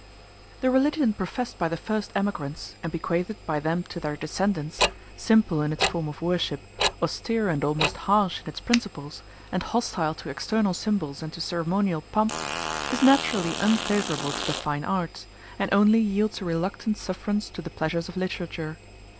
The religion professed by the first emigrants, and bequeathed by them to their descendants, simple in its form of worship, austere and almost harsh in its principles, and hostile to external symbols and to ceremonial pomp, is naturally unfavorable to the fine arts, and only yields a reluctant sufferance to the pleasures of literature.